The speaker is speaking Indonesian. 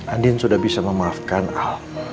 andin sudah bisa memaafkan ah